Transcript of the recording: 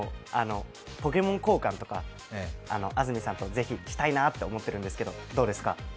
ポケモン交換とか安住さんとぜひしたいなと思っているんですが、どうですか？